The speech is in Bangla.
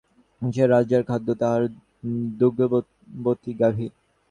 বৈশ্যেরা রাজার খাদ্য, তাঁহার দুগ্ধবতী গাভী।